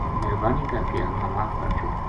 مہربانی کر کے ہم نا معاف کر چھُڑ